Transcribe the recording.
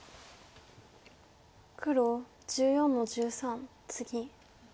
黒１４の十三ツギ。